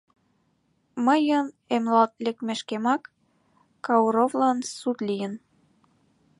Мыйын эмлалт лекмешкемак, Кауровлан суд лийын.